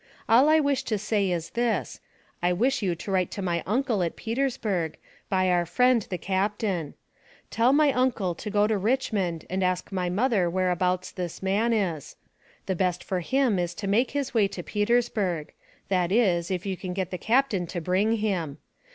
All I wish to say is this, I wish you to write to my uncle, at Petersburg, by our friend, the Capt. Tell my uncle to go to Richmond and ask my mother whereabouts this man is. The best for him is to make his way to Petersburg; that is, if you can get the Capt. to bring him.